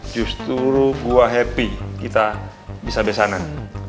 justru gue happy kita bisa besanan